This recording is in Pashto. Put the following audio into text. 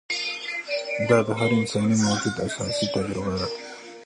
دا د هر انساني موجود اساسي تجربه ده.